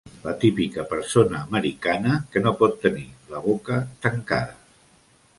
La típica persona americana que no pot tenir la boca tancada.